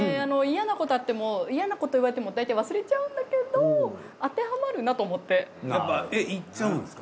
嫌なことあっても嫌なこと言われてもだいたい忘れちゃうんだけど当てはまるなと思って。